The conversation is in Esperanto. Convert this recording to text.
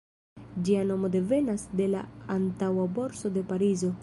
Ĝia nomo devenas de la antaŭa Borso de Parizo.